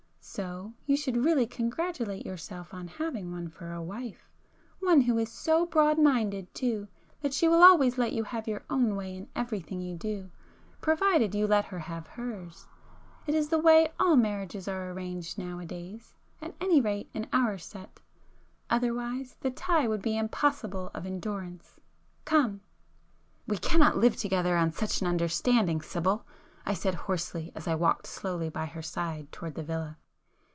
—so you should really congratulate yourself on having one for a wife!—one who is so broad minded too, that she will always let you have your own way in everything you do, provided you let her have hers! It is the way all marriages are arranged nowadays,—at any rate in our set,—otherwise the tie would be impossible of endurance. Come!" "We cannot live together on such an understanding, Sibyl!" I said hoarsely, as I walked slowly by her side towards the villa.